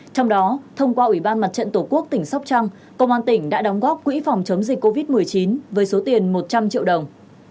trong đó thông qua ủy ban mặt trận tổ quốc tỉnh sóc trăng công an tỉnh đã đóng góp quỹ phòng chống dịch covid một mươi chín với số tiền một trăm linh triệu đồng